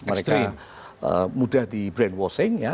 mereka mudah di brainwashing ya